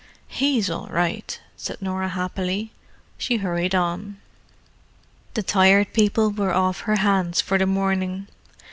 "He's all right," said Norah happily. She hurried on. The Tired People were off her hands for the morning.